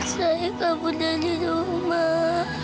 saya kabur dari rumah